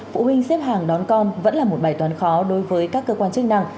phụ huynh xếp hàng đón con vẫn là một bài toán khó đối với các cơ quan chức năng